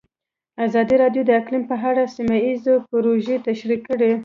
ازادي راډیو د اقلیم په اړه سیمه ییزې پروژې تشریح کړې.